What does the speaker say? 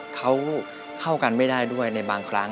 เขาเข้ากันไม่ได้ด้วยในบางครั้ง